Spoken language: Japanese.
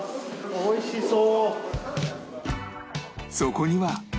おいしそう。